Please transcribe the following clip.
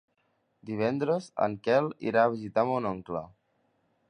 Divendres en Quel irà a visitar mon oncle.